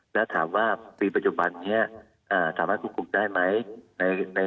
แล้วถามว่าปีปัจจุบันนี้สามารถควบคุมได้ไหม